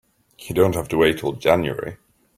You don't have to wait till January.